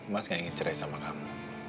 mas gak ingin cerai sama kamu